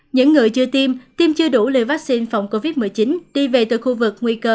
những người chưa tiêm tiêm chưa đủ liều vaccine phòng covid một mươi chín đi về từ khu vực nguy cơ